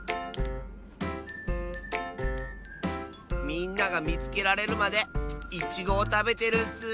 みんながみつけられるまでイチゴをたべてるッス！